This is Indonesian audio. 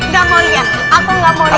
gak mau lihat aku gak mau lihat